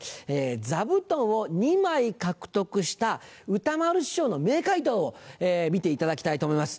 座布団を２枚獲得した歌丸師匠の名回答を見ていただきたいと思います。